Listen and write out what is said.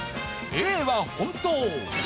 Ａは本当。